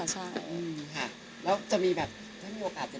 แล้วจะมีโอกาสจะได้เจอกันไหม